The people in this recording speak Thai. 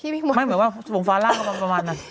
ไม่เหมือนว่าผงฟ้าล่างประมาณนั้น